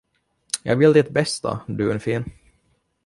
Jag vill ditt bästa, Dunfin.